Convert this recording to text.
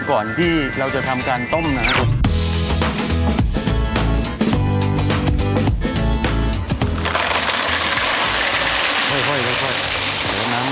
ก่อนที่เราจะทำการต้มนะครับ